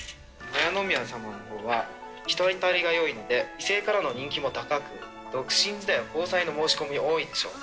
礼宮さまのほうは人当たりがよいので異性からの人気も高く、独身時代は交際の申し込みが多いでしょう。